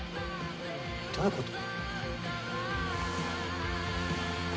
どういうこと？